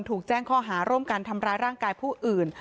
ถูกแจ้งข้อหาร่วมกันทำร้ายร่างกายผู้อื่น